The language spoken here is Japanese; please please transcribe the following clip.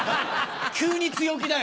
急に強気だよ